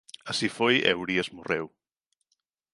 Así foi e Urías morreu.